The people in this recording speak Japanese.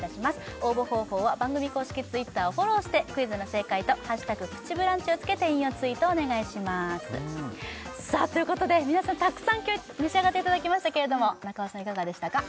応募方法は番組公式Ｔｗｉｔｔｅｒをフォローしてクイズの正解と「＃プチブランチ」をつけて引用ツイートをお願いしますということで皆さんたくさん今日召し上がっていただきましたけれども中尾さんいかがでしたか？